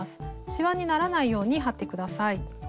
シワにならないように貼って下さい。